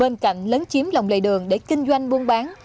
trong lòng lầy đường để kinh doanh buôn bán